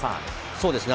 そうですね。